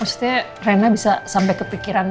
maksudnya rena bisa sampai kepikiran